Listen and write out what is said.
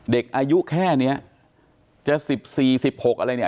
เด็กอายุแค่เนี้ยจะ๑๔๑๖อะไรเนี่ย